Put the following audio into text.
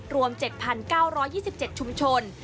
รวม๗๙๒๗ชุมชน